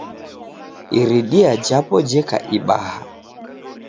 Iridia japo jeka ibaha.